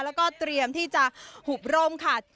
แล้วก็เตรียมที่จะหุบร่มค่ะ